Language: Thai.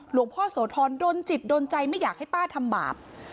หลวงพ่อโสธรโดนจิตโดนใจไม่อยากให้ป้าทำบาป